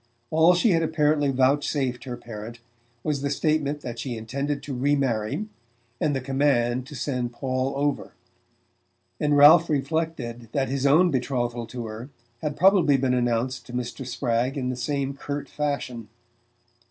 All she had apparently vouchsafed her parent was the statement that she intended to re marry, and the command to send Paul over; and Ralph reflected that his own betrothal to her had probably been announced to Mr. Spragg in the same curt fashion.